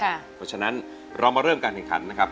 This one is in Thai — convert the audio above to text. เพราะฉะนั้นเรามาเริ่มการแข่งขันนะครับ